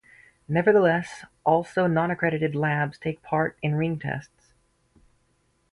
Nevertheless, also non accredited labs take part in ringtests.